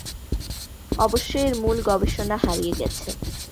অবশ্য এর মূল গবেষণা হারিয়ে গেছে।